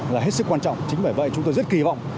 là hết sức quan trọng chính bởi vậy chúng tôi rất kỳ vọng